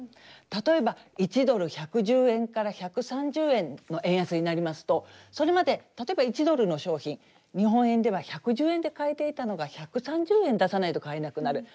例えば１ドル１１０円から１３０円の円安になりますとそれまで例えば１ドルの商品日本円では１１０円で買えていたのが１３０円出さないと買えなくなる。